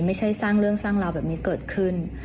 ไม่ใช่สร้างเรื่องสร้างราวแบบนี้เกิดขึ้น